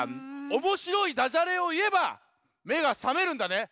おもしろいダジャレをいえばめがさめるんだね？